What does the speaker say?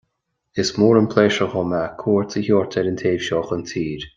Is mór an pléisiúr dom é cuairt a thabhairt ar an taobh seo den tír